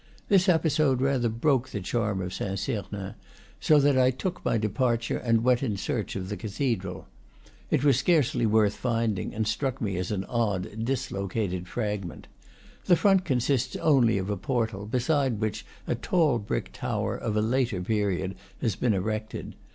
This episode rather broke the charm of Saint Sernin, so that I took my departure and went in search of the cathedral. It was scarcely worth find ing, and struck me as an odd, dislocated fragment. The front consists only of a portal, beside which a tall brick tower, of a later period, has been erected.